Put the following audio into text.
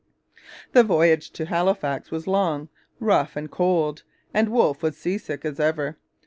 The voyage to Halifax was long, rough, and cold, and Wolfe was sea sick as ever.